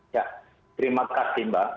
ya terima kasih mbak